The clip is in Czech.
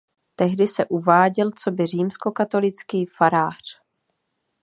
Tehdy se uváděl coby římskokatolický farář.